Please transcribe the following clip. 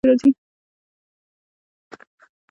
ښکیل اړخونه هم په دې عناصرو کې راځي.